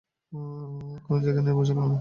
কোনো জায়গাই নিরাপদ ছিল না।